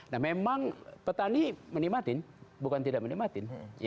nah memang petani menikmatin bukan tidak menikmatin